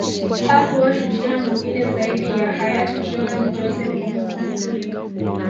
Hakuwa shujaa mwingine zaidi ya hayati John Joseph Pombe Magufuli